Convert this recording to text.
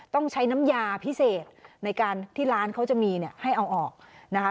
ต้องใช้น้ำยาพิเศษในการที่ร้านเขาจะมีเนี่ยให้เอาออกนะคะ